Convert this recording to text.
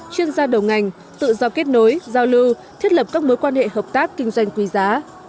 chuyên gia đầu ngành tự do kết nối giao lưu thiết lập các mối quan hệ hợp tác kinh doanh quý giá